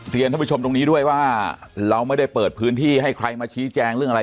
ท่านผู้ชมตรงนี้ด้วยว่าเราไม่ได้เปิดพื้นที่ให้ใครมาชี้แจงเรื่องอะไร